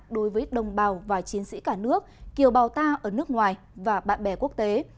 đối với đồng bào và chiến sĩ cả nước kiều bào ta ở nước ngoài và bạn bè quốc tế